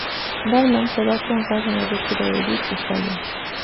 Batman se va con Ra's en la búsqueda de Dick y Talia.